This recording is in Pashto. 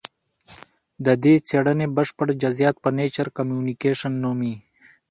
د دې څېړنې بشپړ جزیات په نېچر کمونیکشن نومې